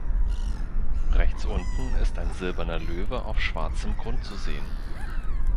Rechts unten ist ein silberner Löwe auf schwarzem Grund zu sehen.